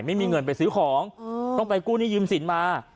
ไม่มีเงินไปซื้อของต้องไปกู้หนี้ยืมสินมา